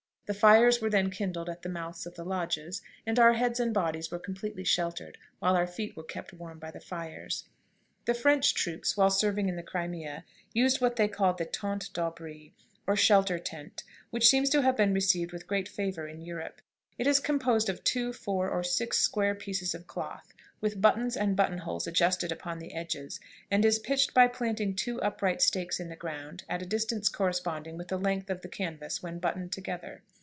The fires were then kindled at the mouths of the lodges, and our heads and bodies were completely sheltered, while our feet were kept warm by the fires. The French troops, while serving in the Crimea, used what they call the tente d'abri, or shelter tent, which seems to have been received with great favor in Europe. It is composed of two, four, or six square pieces of cloth, with buttons and buttonholes adjusted upon the edges, and is pitched by planting two upright stakes in the ground at a distance corresponding with the length of the canvas when buttoned together.